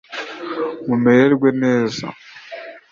mumererwe neza